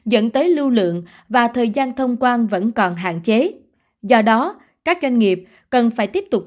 dẫn tới lưu lượng và thời gian thông quan vẫn còn hạn chế do đó các doanh nghiệp cần phải tiếp tục